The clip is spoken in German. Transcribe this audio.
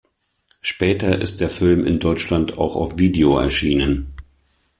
Später ist der Film in Deutschland auch auf Video erschienen.